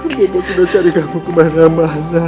bopo sudah cari kamu kemana mana